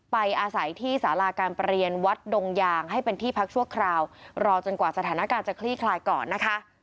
ไปอาศัยที่สาราการประเรียนวัดดงยางให้เป็นที่พักชั่วคราวรอจนกว่าสถานการณ์จะคลี่คลายก่อนนะคะ